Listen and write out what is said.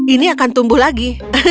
ini akan tumbuh lagi